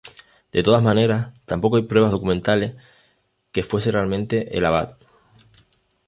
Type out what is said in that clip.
De todas maneras, tampoco hay pruebas documentales que fuese realmente el abad.